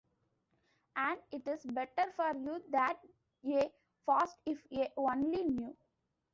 And it is better for you that ye fast, if ye only knew.